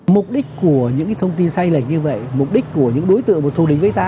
mục đích của những thông tin say lệch như vậy mục đích của những đối tượng thu đính với ta